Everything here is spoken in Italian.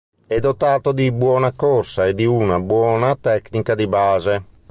È dotato di buona corsa e di una buona tecnica di base.